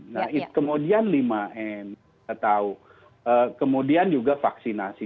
nah kemudian lima n atau kemudian juga vaksinasi